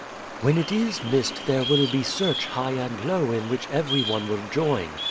"When it is missed there will be search high and low in which every one will join.